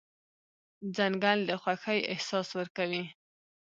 ځنګل د خوښۍ احساس ورکوي.